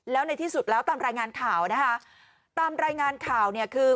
แล้วในที่สุดแล้วตามรายงานข่าวนะคะตามรายงานข่าวเนี่ยคือ